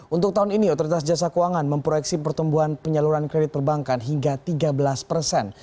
untuk tahun ini otoritas jasa keuangan memproyeksi pertumbuhan penyaluran kredit perbankan hingga tiga belas persen